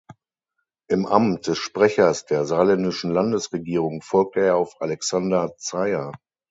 Im Amt des Sprechers der saarländischen Landesregierung folgte er auf Alexander Zeyer.